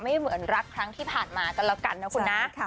ไม่เหมือนรักครั้งที่ผ่านมากันแล้วกันนะคุณนะ